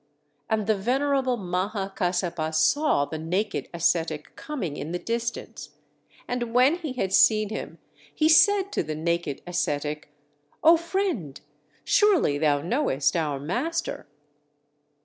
And the venerable Maha Kassapa saw the naked ascetic coming in the distance; and when he had seen him he said to the naked ascetic: "O friend! surely thou knowest our Master?"